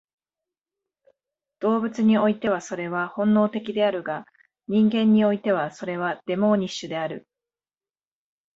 動物においてはそれは本能的であるが、人間においてはそれはデモーニッシュである。